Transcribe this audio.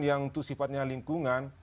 yang untuk sifatnya lingkungan